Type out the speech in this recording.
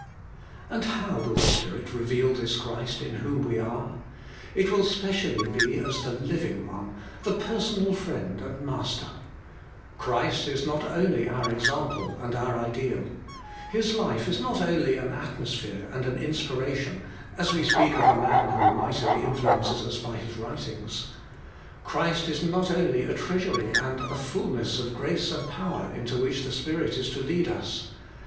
And how will the Spirit reveal this Christ in whom we are ? It will specially be as ihe Living One, the Personal Friend and Master. Christ is not only our Example and our Ideal His life is not only an atmosphere and an inspiration, as we speak of a man who mightily influences us by his IN CHRIST OUR SANCTIFICATION. 197 writings. Christ is not only a treasury and a fulness of grace and power, into which the Spirit is to lead us.